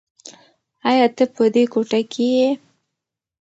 ایا ته په دې کوټه کې یې؟